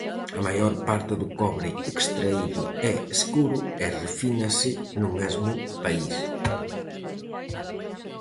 A maior parte do cobre extraído é escuro e refínase no mesmo país.